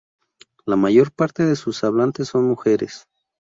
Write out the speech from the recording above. La mayor parte de sus hablantes son mujeres.